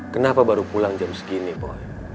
kenapa baru pulang jam segini pokoknya